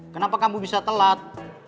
kenapa kamu bisa telat